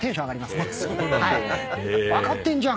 分かってんじゃん。